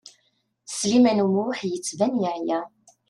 Sliman U Muḥ yettban yeɛya.